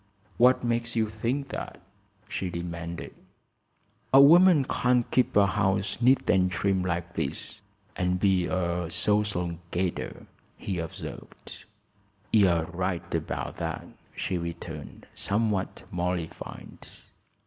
"What makes you think that?" she demanded. "A woman can't keep a house neat and trim like this, and be a social gadder," he observed. "You're right about that," she returned, somewhat mollified.